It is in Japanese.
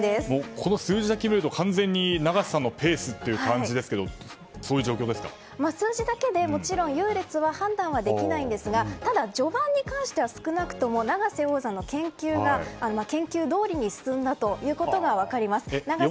この数字だけ見ると完全に永瀬さんのペースですが数字だけでもちろん優劣の判断はできないんですがただ序盤に関しては少なくとも永瀬王座の研究どおりに進んだことが分かります。